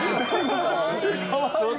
かわいいな。